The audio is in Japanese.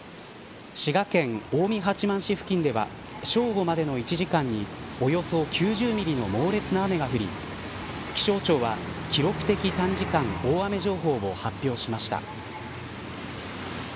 滋賀県近江八幡市付近では正午までの１時間におよそ９０ミリの猛烈な雨が降り気象庁は記録的短時間大雨情報を発表しました。